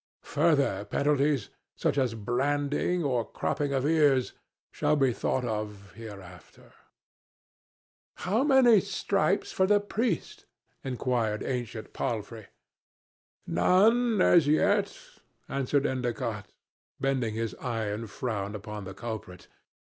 Further penalties, such as branding and cropping of ears, shall be thought of hereafter." "How many stripes for the priest?" inquired Ancient Palfrey. "None as yet," answered Endicott, bending his iron frown upon the culprit.